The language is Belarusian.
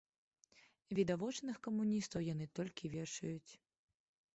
Відавочных камуністаў яны толькі вешаюць.